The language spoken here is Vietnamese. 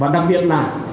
và đặc biệt là